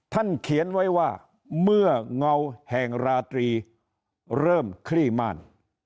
เขียนไว้ว่าเมื่อเงาแห่งราตรีเริ่มคลี่ม่าน